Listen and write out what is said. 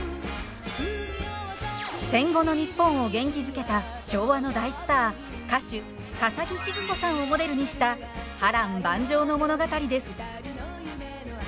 戦後の日本を元気づけた昭和の大スター歌手笠置シヅ子さんをモデルにした波乱万丈の物語です。